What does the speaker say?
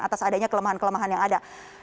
atas adanya kelemahan kelemahan yang ada